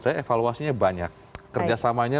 saya evaluasinya banyak kerjasamanya